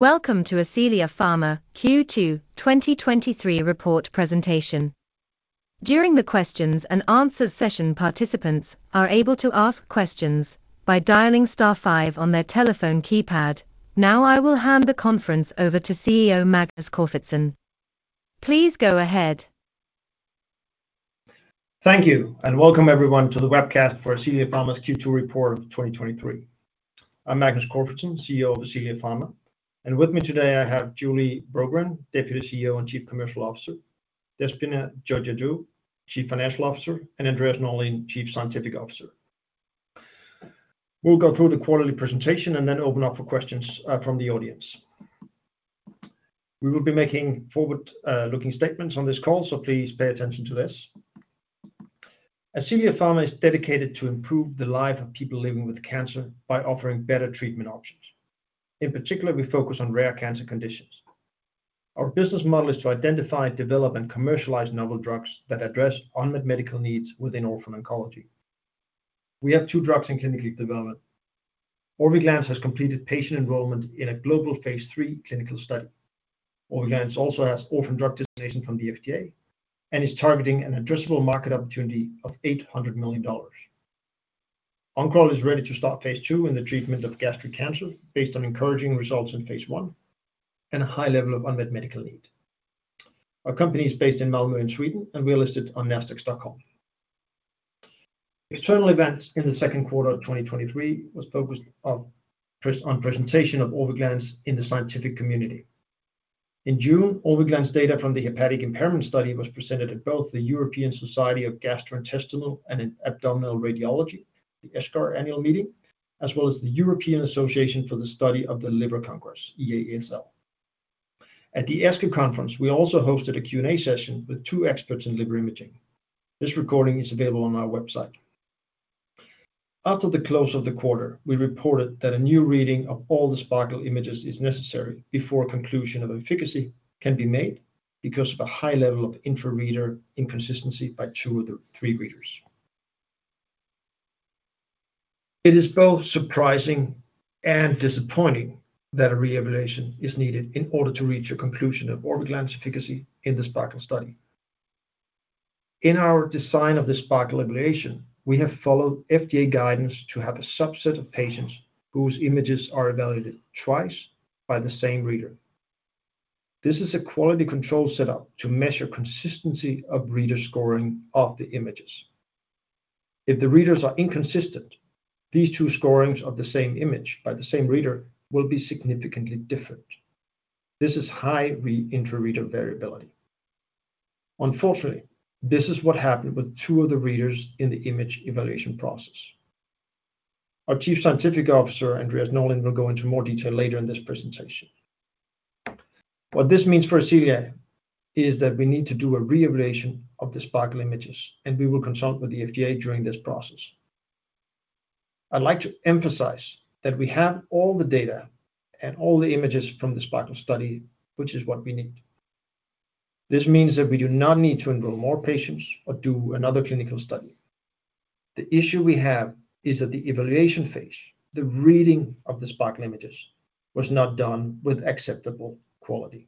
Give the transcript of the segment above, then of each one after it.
Welcome to Ascelia Pharma Q2 2023 report presentation. During the questions and answers session, participants are able to ask questions by dialing star 5 on their telephone keypad. I will hand the conference over to CEO Magnus Corfitzen. Please go ahead. Thank you, and welcome everyone to the webcast for Ascelia Pharma's Q2 report of 2023. I'm Magnus Corfitzen, CEO of Ascelia Pharma, and with me today, I have Julie Waras Brogren, Deputy CEO and Chief Commercial Officer, Déspina Georgiadou Hedin, Chief Financial Officer, and Andreas Norlin, Chief Scientific Officer. We'll go through the quarterly presentation and then open up for questions from the audience. We will be making forward-looking statements on this call, so please pay attention to this. Ascelia Pharma is dedicated to improve the life of people living with cancer by offering better treatment options. In particular, we focus on rare cancer conditions. Our business model is to identify, develop, and commercialize novel drugs that address unmet medical needs within orphan oncology. We have two drugs in clinical development. Orviglance has completed patient enrollment in a global phase III clinical study. Orviglance also has orphan drug designation from the FDA and is targeting an addressable market opportunity of $800 million. Oncoral is ready to start phase II in the treatment of gastric cancer, based on encouraging results in phase I and a high level of unmet medical need. Our company is based in Malmö, in Sweden, and we are listed on Nasdaq Stockholm. External events in the second quarter of 2023 was focused on presentation of Orviglance in the scientific community. In June, Orviglance data from the hepatic impairment study was presented at both the European Society of Gastrointestinal and Abdominal Radiology, the ESGAR annual meeting, as well as the European Association for the Study of the Liver Congress, EASL. At the ESGAR conference, we also hosted a Q&A session with two experts in liver imaging. This recording is available on our website. After the close of the quarter, we reported that a new reading of all the SPARKLE images is necessary before a conclusion of efficacy can be made, because of a high level of intra-reader inconsistency by 2 of the 3 readers. It is both surprising and disappointing that a re-evaluation is needed in order to reach a conclusion of Orviglance efficacy in the SPARKLE study. In our design of the SPARKLE evaluation, we have followed FDA guidance to have a subset of patients whose images are evaluated twice by the same reader. This is a quality control setup to measure consistency of reader scoring of the images. If the readers are inconsistent, these 2 scorings of the same image by the same reader will be significantly different. This is high intra-reader variability. Unfortunately, this is what happened with 2 of the readers in the image evaluation process. Our Chief Scientific Officer, Andreas Norlin, will go into more detail later in this presentation. What this means for Ascelia is that we need to do a re-evaluation of the SPARKLE images, and we will consult with the FDA during this process. I'd like to emphasize that we have all the data and all the images from the SPARKLE study, which is what we need. This means that we do not need to enroll more patients or do another clinical study. The issue we have is that the evaluation phase, the reading of the SPARKLE images, was not done with acceptable quality.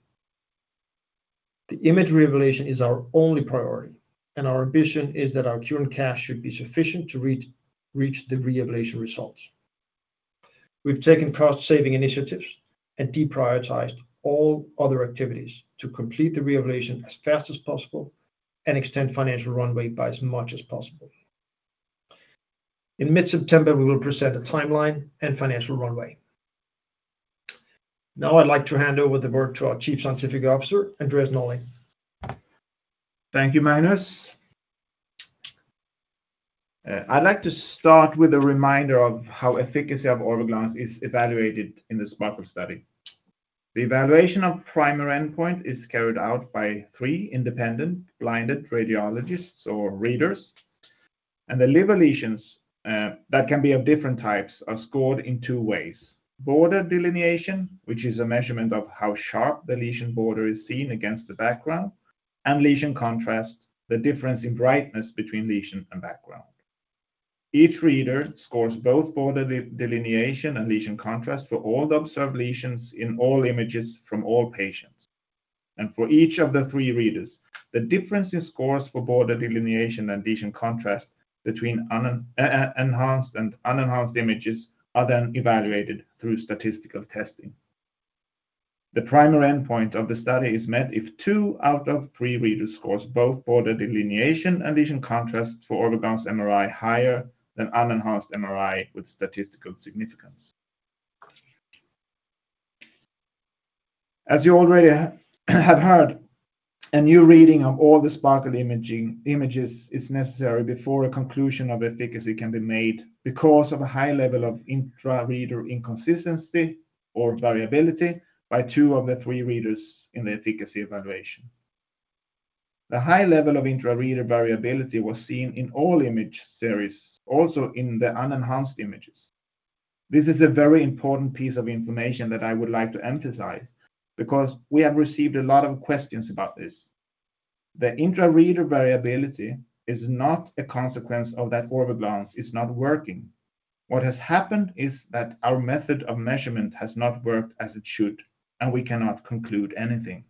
The image re-evaluation is our only priority, and our ambition is that our current cash should be sufficient to reach the re-evaluation results. We've taken cost-saving initiatives and deprioritized all other activities to complete the re-evaluation as fast as possible and extend financial runway by as much as possible. In mid-September, we will present a timeline and financial runway. Now, I'd like to hand over the word to our Chief Scientific Officer, Andreas Norlin. Thank you, Magnus. I'd like to start with a reminder of how efficacy of Orviglance is evaluated in the SPARKLE study. The evaluation of primary endpoint is carried out by three independent blinded radiologists or readers, and the liver lesions, that can be of different types, are scored in two ways: border delineation, which is a measurement of how sharp the lesion border is seen against the background, and lesion contrast, the difference in brightness between lesion and background. Each reader scores both border delineation and lesion contrast for all the observed lesions in all images from all patients. For each of the three readers, the difference in scores for border delineation and lesion contrast between enhanced and unenhanced images are then evaluated through statistical testing. The primary endpoint of the study is met if two out of three reader scores both border delineation and lesion contrast for Orviglance MRI higher than unenhanced MRI with statistical significance. You already have heard, a new reading of all the SPARKLE imaging, images is necessary before a conclusion of efficacy can be made, because of a high level of intra-reader inconsistency or variability by two of the three readers in the efficacy evaluation. The high level of intra-reader variability was seen in all image series, also in the unenhanced images. This is a very important piece of information that I would like to emphasize, because we have received a lot of questions about this. The intra-reader variability is not a consequence of that Orviglance is not working. What has happened is that our method of measurement has not worked as it should, and we cannot conclude anything.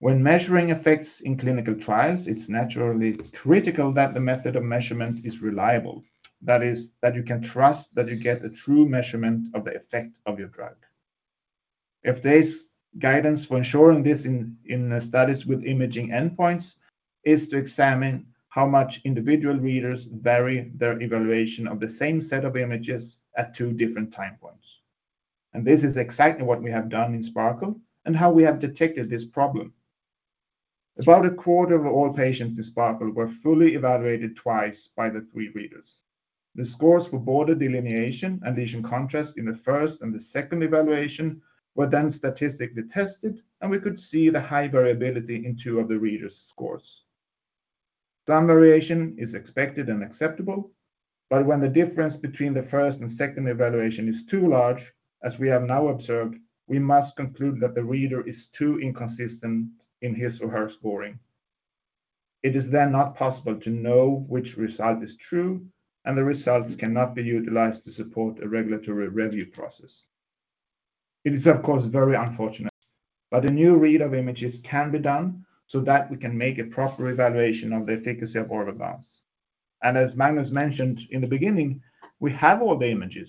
When measuring effects in clinical trials, it's naturally critical that the method of measurement is reliable. That is, that you can trust that you get a true measurement of the effect of your drug. FDA's guidance for ensuring this in studies with imaging endpoints, is to examine how much individual readers vary their evaluation of the same set of images at two different time points. This is exactly what we have done in SPARKLE, and how we have detected this problem. About a quarter of all patients in SPARKLE were fully evaluated twice by the three readers. The scores for border delineation and lesion contrast in the first and the second evaluation were then statistically tested, and we could see the high variability in two of the readers' scores. Some variation is expected and acceptable, but when the difference between the first and second evaluation is too large, as we have now observed, we must conclude that the reader is too inconsistent in his or her scoring. It is then not possible to know which result is true, and the results cannot be utilized to support a regulatory review process. It is, of course, very unfortunate, but a new read of images can be done so that we can make a proper evaluation of the efficacy of Orviglance. As Magnus mentioned in the beginning, we have all the images.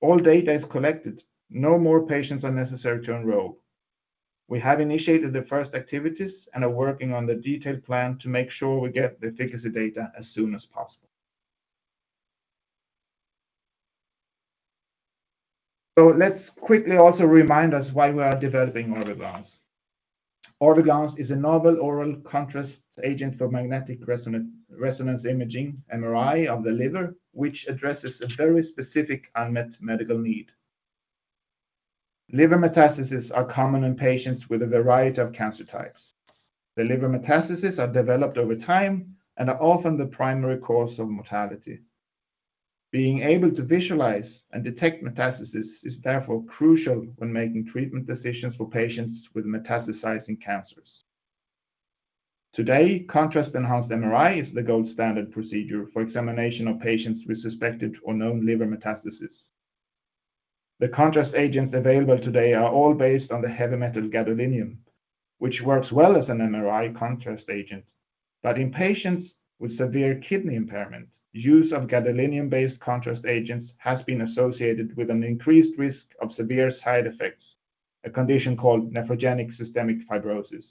All data is collected. No more patients are necessary to enroll. We have initiated the first activities and are working on the detailed plan to make sure we get the efficacy data as soon as possible. Let's quickly also remind us why we are developing Orviglance. Orviglance is a novel oral contrast agent for magnetic resonance imaging, MRI, of the liver, which addresses a very specific unmet medical need. Liver metastases are common in patients with a variety of cancer types. The liver metastases are developed over time and are often the primary cause of mortality. Being able to visualize and detect metastases is therefore crucial when making treatment decisions for patients with metastasizing cancers. Today, contrast enhanced MRI is the gold standard procedure for examination of patients with suspected or known liver metastases. The contrast agents available today are all based on the heavy metal gadolinium, which works well as an MRI contrast agent. In patients with severe kidney impairment, use of gadolinium-based contrast agents has been associated with an increased risk of severe side effects, a condition called nephrogenic systemic fibrosis.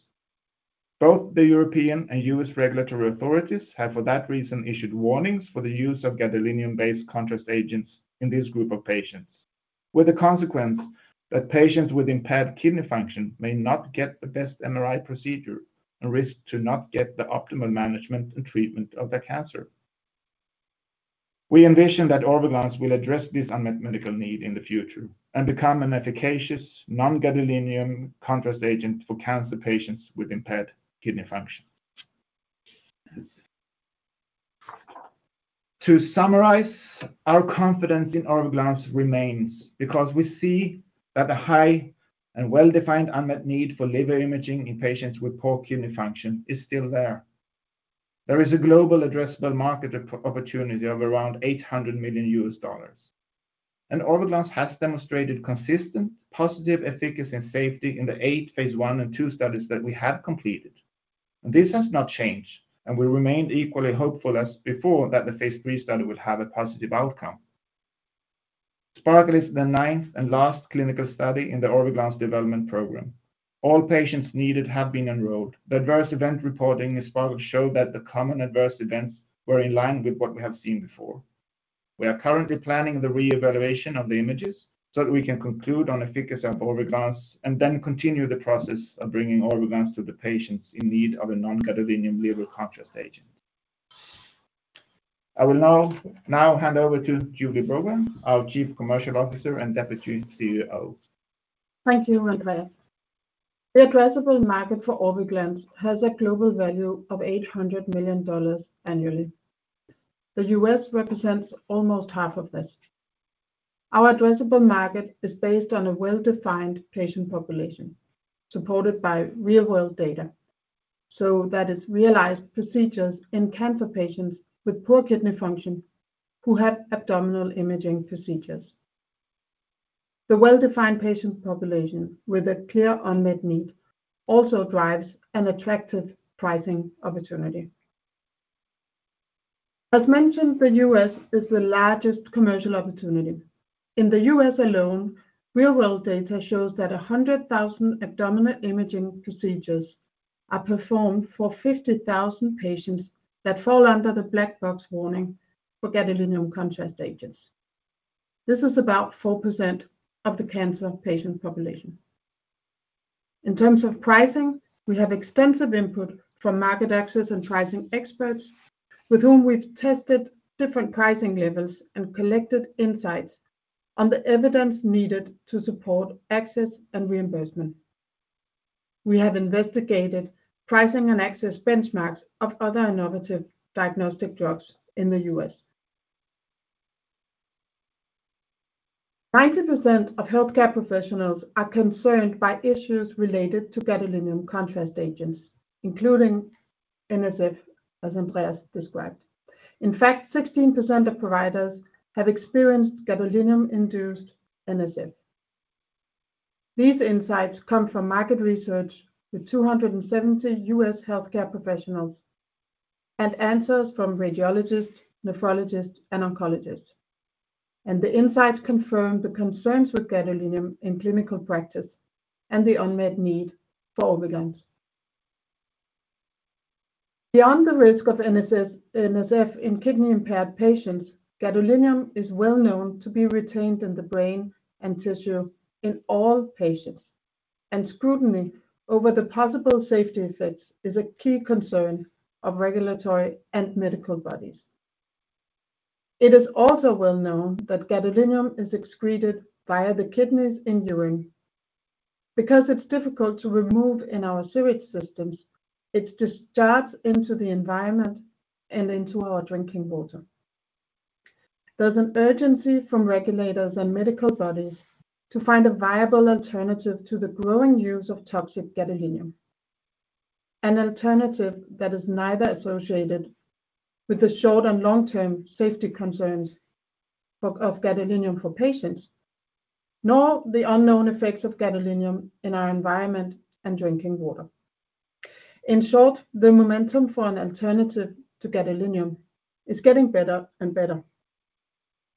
Both the European and U.S. regulatory authorities have, for that reason, issued warnings for the use of gadolinium-based contrast agents in this group of patients, with the consequence that patients with impaired kidney function may not get the best MRI procedure and risk to not get the optimal management and treatment of their cancer. We envision that Orviglance will address this unmet medical need in the future and become an efficacious non-gadolinium contrast agent for cancer patients with impaired kidney function. To summarize, our confidence in Orviglance remains because we see that the high and well-defined unmet need for liver imaging in patients with poor kidney function is still there. There is a global addressable market opportunity of around $800 million, and Orviglance has demonstrated consistent positive efficacy and safety in the eight phase I and II studies that we have completed. This has not changed, and we remain equally hopeful as before that the phase III study will have a positive outcome. SPARKLE is the ninth and last clinical study in the Orviglance development program. All patients needed have been enrolled. The adverse event reporting in SPARKLE show that the common adverse events were in line with what we have seen before. We are currently planning the reevaluation of the images so that we can conclude on efficacy of Orviglance, and then continue the process of bringing Orviglance to the patients in need of a non-gadolinium liver contrast agent. I will now hand over to Julie Waras Brogren, our Chief Commercial Officer and Deputy CEO. Thank you, Andreas. The addressable market for Orviglance has a global value of $800 million annually. The U.S. represents almost half of this. Our addressable market is based on a well-defined patient population, supported by real world data. That is realized procedures in cancer patients with poor kidney function who have abdominal imaging procedures. The well-defined patient population with a clear unmet need also drives an attractive pricing opportunity. As mentioned, the U.S. is the largest commercial opportunity. In the U.S. alone, real world data shows that 100,000 abdominal imaging procedures are performed for 50,000 patients that fall under the black box warning for gadolinium contrast agents. This is about 4% of the cancer patient population. In terms of pricing, we have extensive input from market access and pricing experts, with whom we've tested different pricing levels and collected insights on the evidence needed to support access and reimbursement. We have investigated pricing and access benchmarks of other innovative diagnostic drugs in the US. 90% of healthcare professionals are concerned by issues related to gadolinium contrast agents, including NSF, as Andreas described. In fact, 16% of providers have experienced gadolinium-induced NSF. These insights come from market research with 270 US healthcare professionals, and answers from radiologists, nephrologists, and oncologists. The insights confirm the concerns with gadolinium in clinical practice and the unmet need for Orviglance. Beyond the risk of NSF in kidney-impaired patients, gadolinium is well known to be retained in the brain and tissue in all patients. Scrutiny over the possible safety effects is a key concern of regulatory and medical bodies. It is also well known that gadolinium is excreted via the kidneys in urine. Because it's difficult to remove in our sewage systems, it's discharged into the environment and into our drinking water. There's an urgency from regulators and medical bodies to find a viable alternative to the growing use of toxic gadolinium. An alternative that is neither associated with the short and long-term safety concerns of gadolinium for patients, nor the unknown effects of gadolinium in our environment and drinking water. In short, the momentum for an alternative to gadolinium is getting better and better.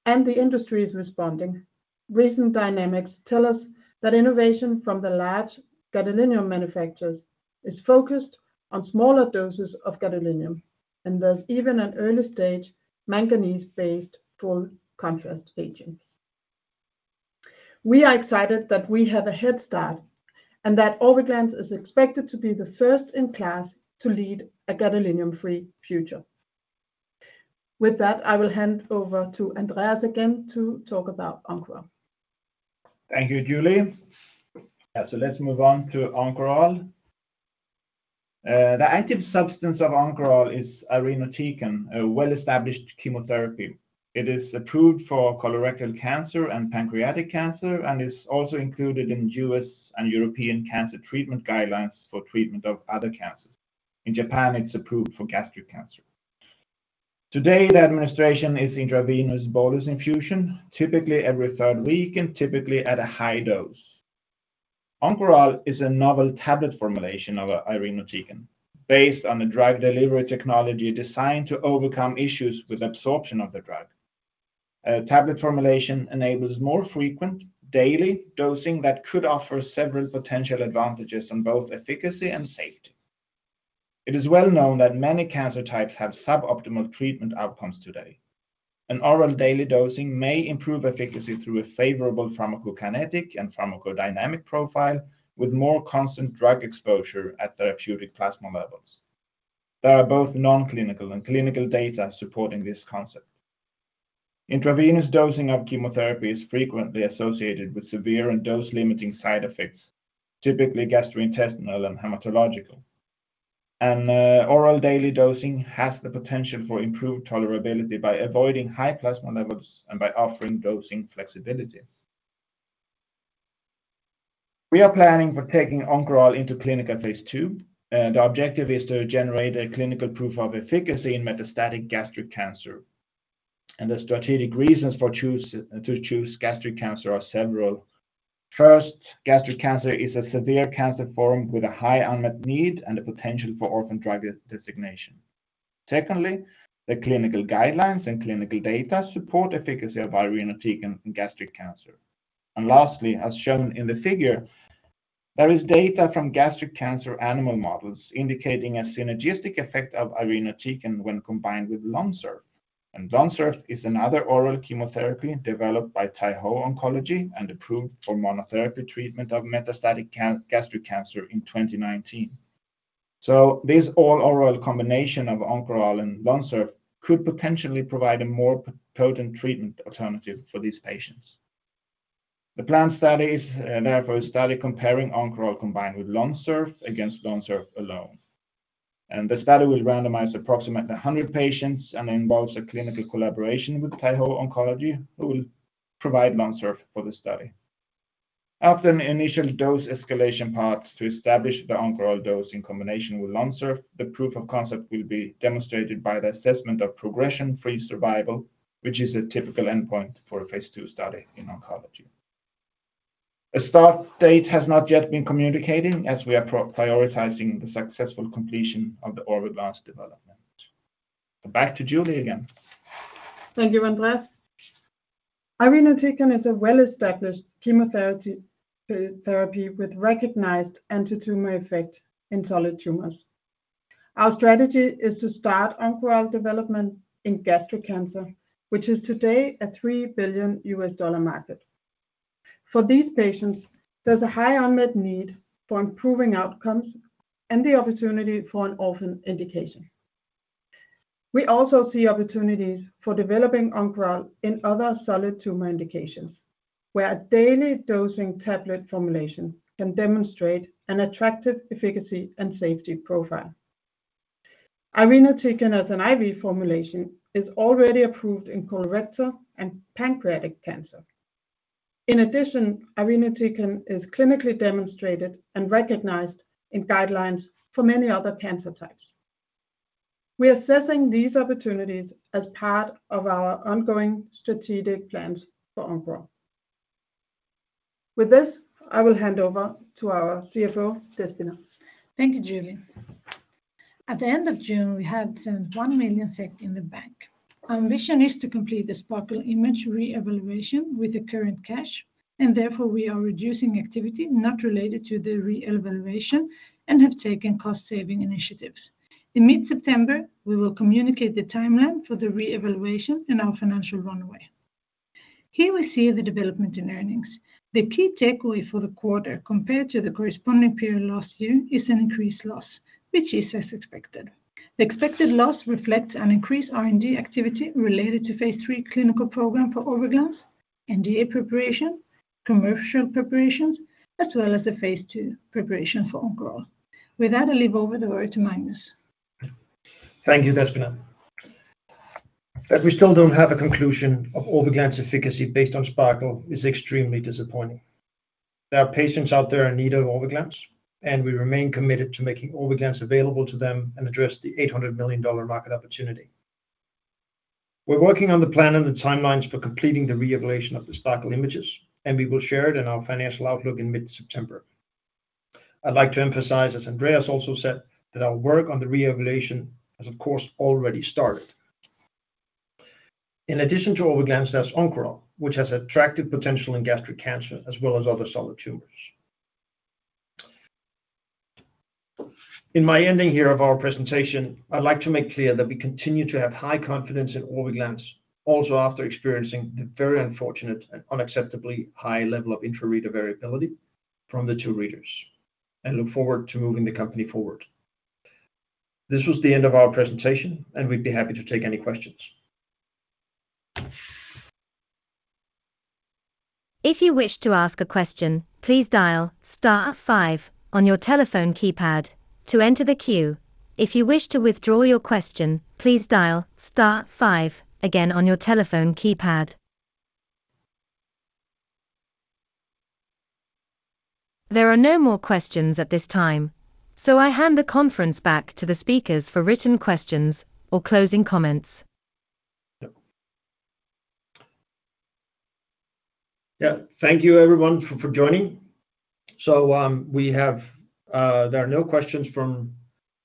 The industry is responding. Recent dynamics tell us that innovation from the large gadolinium manufacturers is focused on smaller doses of gadolinium, and there's even an early-stage manganese-based full contrast agent. We are excited that we have a head start, and that Orviglance is expected to be the first in class to lead a gadolinium-free future. With that, I will hand over to Andreas again to talk about Oncoral. Thank you, Julie. Yeah, so let's move on to Oncoral. The active substance of Oncoral is irinotecan, a well-established chemotherapy. It is approved for colorectal cancer and pancreatic cancer, and is also included in U.S. and European cancer treatment guidelines for treatment of other cancers. In Japan, it's approved for gastric cancer. Today, the administration is intravenous bolus infusion, typically every third week and typically at a high dose. Oncoral is a novel tablet formulation of irinotecan, based on a drug delivery technology designed to overcome issues with absorption of the drug. A tablet formulation enables more frequent daily dosing that could offer several potential advantages on both efficacy and safety. It is well known that many cancer types have suboptimal treatment outcomes today. An oral daily dosing may improve efficacy through a favorable pharmacokinetic and pharmacodynamic profile, with more constant drug exposure at therapeutic plasma levels. There are both non-clinical and clinical data supporting this concept. Intravenous dosing of chemotherapy is frequently associated with severe and dose-limiting side effects, typically gastrointestinal and hematological. Oral daily dosing has the potential for improved tolerability by avoiding high plasma levels and by offering dosing flexibility. We are planning for taking Oncoral into clinical phase II, and the objective is to generate a clinical proof of efficacy in metastatic gastric cancer. The strategic reasons to choose gastric cancer are several. First, gastric cancer is a severe cancer form with a high unmet need and a potential for orphan drug designation. Secondly, the clinical guidelines and clinical data support efficacy of irinotecan in gastric cancer. Lastly, as shown in the figure, there is data from gastric cancer animal models indicating a synergistic effect of irinotecan when combined with LONSURF. LONSURF is another oral chemotherapy developed by Taiho Oncology, and approved for monotherapy treatment of metastatic gastric cancer in 2019. This all-oral combination of Oncoral and LONSURF could potentially provide a more potent treatment alternative for these patients. The planned studies are therefore a study comparing Oncoral combined with LONSURF against LONSURF alone. The study will randomize approximately 100 patients and involves a clinical collaboration with Taiho Oncology, who will provide LONSURF for the study. After an initial dose escalation part to establish the Oncoral dose in combination with LONSURF, the proof of concept will be demonstrated by the assessment of progression-free survival, which is a typical endpoint for a phase II study in oncology. A start date has not yet been communicated, as we are prioritizing the successful completion of the Orviglance development. Back to Julie again. Thank you, Andreas. Irinotecan is a well-established chemotherapy, therapy with recognized anti-tumor effect in solid tumors. Our strategy is to start Oncoral development in gastric cancer, which is today a $3 billion market. For these patients, there's a high unmet need for improving outcomes and the opportunity for an orphan indication. We also see opportunities for developing Oncoral in other solid tumor indications, where a daily dosing tablet formulation can demonstrate an attractive efficacy and safety profile.... Irinotecan as an IV formulation is already approved in colorectal and pancreatic cancer. In addition, Irinotecan is clinically demonstrated and recognized in guidelines for many other cancer types. We are assessing these opportunities as part of our ongoing strategic plans for Oncoral. With this, I will hand over to our CFO, Déspina. Thank you, Julie. At the end of June, we had 1 million SEK in the bank. Our mission is to complete the SPARKLE image re-evaluation with the current cash, therefore, we are reducing activity not related to the re-evaluation and have taken cost-saving initiatives. In mid-September, we will communicate the timeline for the re-evaluation and our financial runway. Here we see the development in earnings. The key takeaway for the quarter compared to the corresponding period last year is an increased loss, which is as expected. The expected loss reflects an increased R&D activity related to phase III clinical program for Orviglance, NDA preparation, commercial preparations, as well as the phase II preparation for Oncoral. With that, I leave over the word to Magnus. Thank you, Déspina. That we still don't have a conclusion of Orviglance efficacy based on SPARKLE is extremely disappointing. There are patients out there in need of Orviglance, and we remain committed to making Orviglance available to them and address the $800 million market opportunity. We're working on the plan and the timelines for completing the re-evaluation of the SPARKLE images, and we will share it in our financial outlook in mid-September. I'd like to emphasize, as Andreas also said, that our work on the re-evaluation has, of course, already started. In addition to Orviglance, there's Oncoral, which has attractive potential in gastric cancer as well as other solid tumors. In my ending here of our presentation, I'd like to make clear that we continue to have high confidence in Orviglance, also after experiencing the very unfortunate and unacceptably high level of intra-reader variability from the two readers, and look forward to moving the company forward. This was the end of our presentation, and we'd be happy to take any questions. If you wish to ask a question, "please dial star five" on your telephone keypad to enter the queue. If you wish to withdraw your question, "please dial star five" again on your telephone keypad. There are no more questions at this time, so I hand the conference back to the speakers for written questions or closing comments. Yeah. Thank you everyone for, for joining. We have, there are no questions from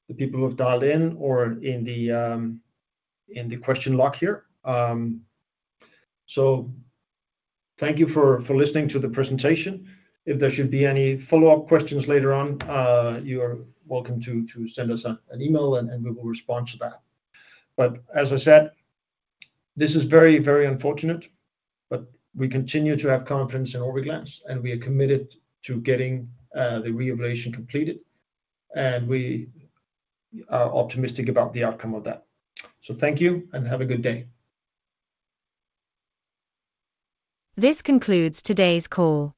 the people who have dialed in or in the in the question lock here. Thank you for, for listening to the presentation. If there should be any follow-up questions later on, you are welcome to, to send us an, an email and, and we will respond to that. As I said, this is very, very unfortunate, but we continue to have confidence in Orviglance, and we are committed to getting the re-evaluation completed, and we are optimistic about the outcome of that. Thank you and have a good day. This concludes today's call.